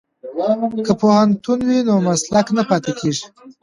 که پوهنتون وي نو مسلک نه پاتیږي.